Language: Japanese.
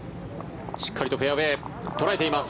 しっかりとフェアウェー捉えています。